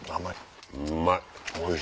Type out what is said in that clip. うまい。